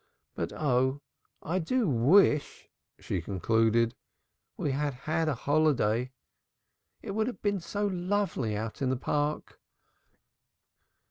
Oh, but I do wish," she concluded, "we had had a holiday. It would have been so lovely out in the Park."